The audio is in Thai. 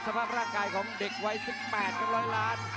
สภาพร่างกายของเด็กไวท์๑๘ร้อยล้าน